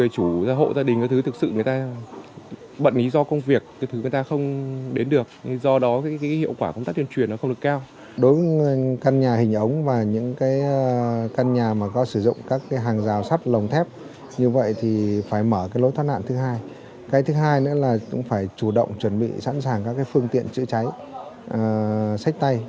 cái thứ hai nữa là cũng phải chủ động chuẩn bị sẵn sàng các phương tiện chữa cháy sách tay